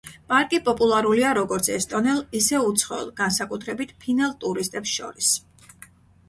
პარკი პოპულარულია როგორც ესტონელ, ისე უცხოელ, განსაკუთრებით ფინელ ტურისტებს შორის.